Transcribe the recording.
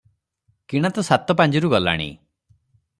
"କିଣା ତ ସାତ ପାଞ୍ଜିରୁ ଗଲାଣି ।